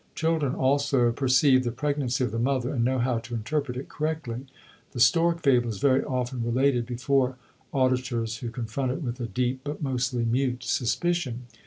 Children also perceive the pregnancy of the mother and know how to interpret it correctly; the stork fable is very often related before auditors who confront it with a deep, but mostly mute suspicion.